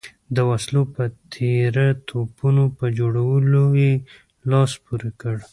د وسلو په تېره توپونو په جوړولو یې لاس پورې کړ.